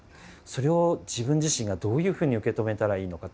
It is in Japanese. それを自分自身がどういうふうに受け止めたらいいのか。